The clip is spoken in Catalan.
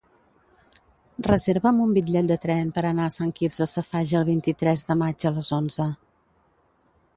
Reserva'm un bitllet de tren per anar a Sant Quirze Safaja el vint-i-tres de maig a les onze.